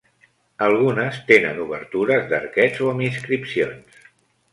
Algunes tenen obertures d'arquets o amb inscripcions.